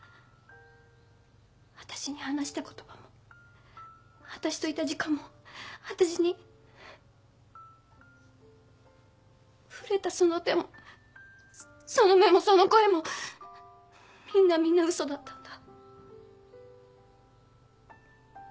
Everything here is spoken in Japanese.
わたしに話した言葉もわたしといた時間もわたしに触れたその手もその目もその声もみんなみんな嘘だったんだ。